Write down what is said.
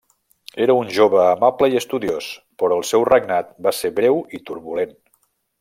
Era un jove amable i estudiós, però el seu regnat va ser breu i turbulent.